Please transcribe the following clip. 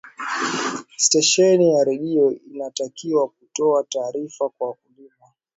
stesheni ya redio intakiwa kutoa taarifa kwa wakulima